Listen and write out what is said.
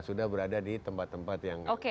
sudah berada di tempat tempat yang tidak ada masalah